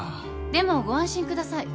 でもご安心ください。